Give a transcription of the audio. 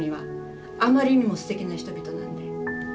あまりにもすてきな人々なんで。